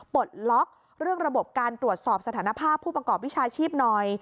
ปลดล็อกเรื่องระบบการตรวจสอบสถานภาพผู้ประกอบวิชาชีพหน่อย